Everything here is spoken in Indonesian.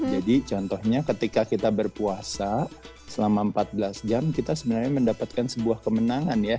jadi contohnya ketika kita berpuasa selama empat belas jam kita sebenarnya mendapatkan sebuah kemenangan ya